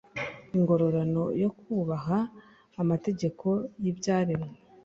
ingororano yo kubaha amategeko y'ibyaremwe